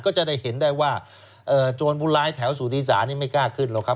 ก็จะได้เห็นได้ว่าโจรผู้ร้ายแถวสุธิสานี่ไม่กล้าขึ้นหรอกครับ